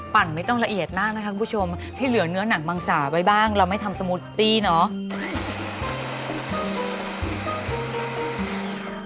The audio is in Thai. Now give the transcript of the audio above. ไม่ต้องละเอียดมากนะคะคุณผู้ชมให้เหลือเนื้อหนังมังสาไว้บ้างเราไม่ทำสมูตตี้เนาะ